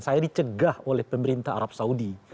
saya dicegah oleh pemerintah arab saudi